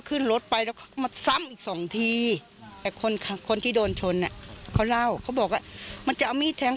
ขึ้นรถไปแล้วก็มาซ้ำอีกสองทีแต่คนคนที่โดนชนอ่ะเขาเล่าเขาบอกว่ามันจะเอามีดแทง